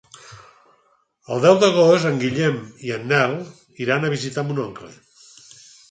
El deu d'agost en Guillem i en Nel iran a visitar mon oncle.